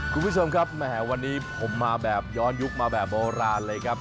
คุณผู้ชมครับแหมวันนี้ผมมาแบบย้อนยุคมาแบบโบราณเลยครับ